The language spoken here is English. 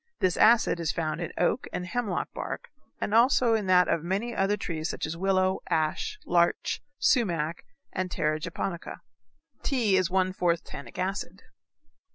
This acid is found in oak and hemlock bark, and also in that of many other trees such as willow, ash, larch, sumac, and terra japonica. Tea is one fourth tannic acid.